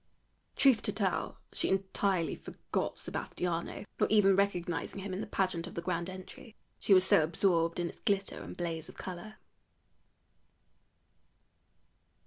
Truth to tell, she entirely forgot Sebastiano, not even recognizing him in the pageant of the grand entry, she was so absorbed in its glitter and blaze of color.